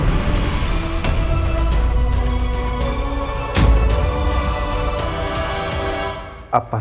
bapak hadir di situ sebagai saksi